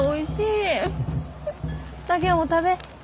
竹雄も食べ。